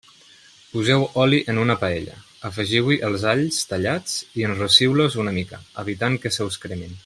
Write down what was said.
Poseu oli en una paella, afegiu-hi els alls tallats i enrossiu-los una mica, evitant que se us cremin.